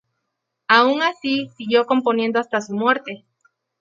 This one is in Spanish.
Aun así, siguió componiendo hasta su muerte.